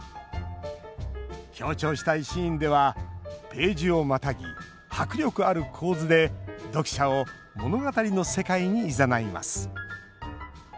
強調したいシーンではページをまたぎ、迫力ある構図で読者を物語の世界にいざないます。